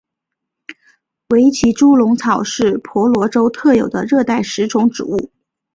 维奇猪笼草是婆罗洲特有的热带食虫植物。